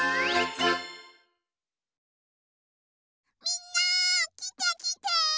みんなきてきて！